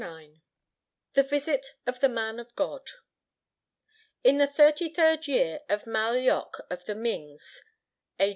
IX THE VISIT OF THE MAN OF GOD In the thirty third year of Mal yok of the Mings (A.